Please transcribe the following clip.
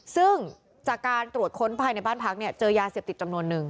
ซึ่งจากการตรวจค้นภายในบ้านพักเนี่ยเจอยาเสพติดจำนวนนึง